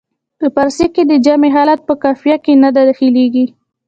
په فارسي کې د جمع حالت په قافیه کې نه داخلیږي.